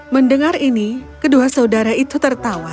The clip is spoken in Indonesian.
mendengar ini kedua saudara itu tertawa